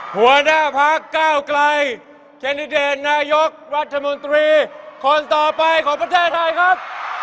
หัวหน้าพักก้าวไกลแคนดิเดตนายกรัฐมนตรีคนต่อไปของประเทศไทยครับ